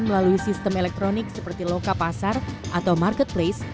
melalui sistem elektronik seperti loka pasar atau marketplace